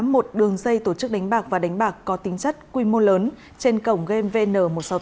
một đường dây tổ chức đánh bạc và đánh bạc có tính chất quy mô lớn trên cổng game vn một trăm sáu mươi tám